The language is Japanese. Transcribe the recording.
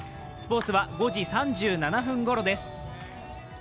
スポーツは５時３７分ごろです。